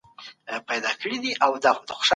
ډیموکراسي به څنګه پیاوړې سي؟